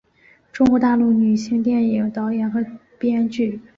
中国大陆女性电影导演和编剧。